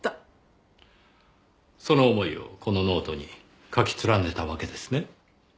その思いをこのノートに書き連ねたわけですね。